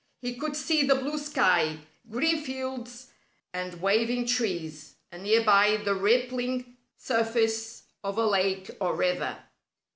He could see the blue sky; green fields and waving trees, and near by the rippling surface of a lake or river.